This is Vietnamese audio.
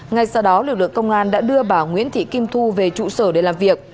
ngay sau đó lực lượng công an đã đưa bà nguyễn thị kim thu về trụ sở để làm việc